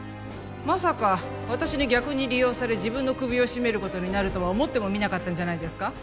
まさか私に逆に利用され自分の首を絞めることになるとは思ってもみなかったんじゃないですか？